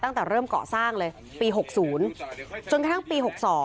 ตั้งแต่เริ่มเกาะสร้างเลยปี๖๐จนกระทั่งปี๖๒